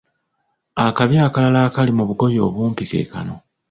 Akabi akalala akali mu bugoye obumpi keekano